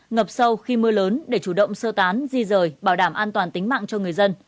ngập sâu khi mưa lớn để chủ động sơ tán di rời bảo đảm an toàn tính mạng cho người dân